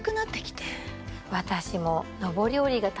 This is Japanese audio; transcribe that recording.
私も。